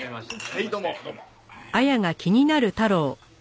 はいどうもどうも。